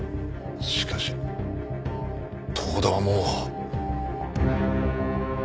しかし遠田はもう。